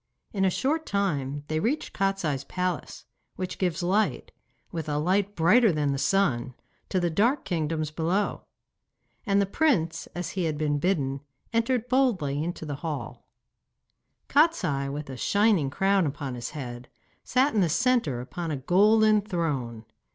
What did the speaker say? In a short time they reached Kostiei's palace, which gives light, with a light brighter than the sun, to the dark kingdoms below. And the prince, as he had been bidden, entered boldly into the hall. Kostiei, with a shining crown upon his head, sat in the centre upon a golden throne.